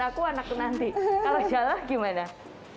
aku anak nanti kalau jalah gimana